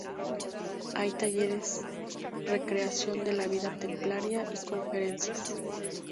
Hay Talleres, recreación de la vida templaria y conferencias.